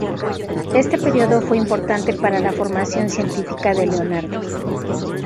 Este período fue importante para la formación científica de Leonardo.